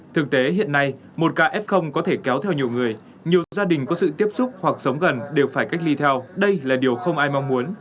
thực tế hiện nay một ca f có thể kéo theo nhiều người nhiều gia đình có sự tiếp xúc hoặc sống gần đều phải cách ly theo đây là điều không ai mong muốn